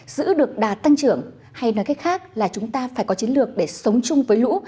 giữ được đà tăng trưởng hay nói cách khác là chúng ta phải có chiến lược để sống chung với lũ